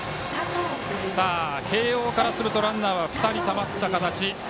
慶応からするとランナーは２人たまった形。